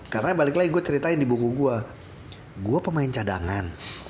karena balik lagi gue ceritain di buku gue gue pemain cadangan